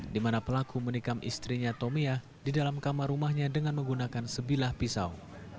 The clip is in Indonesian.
di mana pelaku menikam istrinya tomia di dalam kamar rumahnya dengan menggunakan sebilah pisau